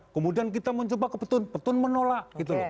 kemudian kita mencoba ke petun petun menolak